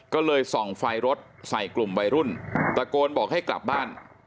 ก็เลยส่องไฟรถใส่กลุ่มวัยรุ่นตะโกนบอกให้กลับบ้าน